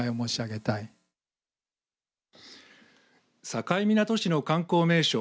境港市の観光名所